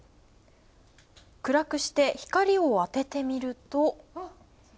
暗くして、光を当ててみると。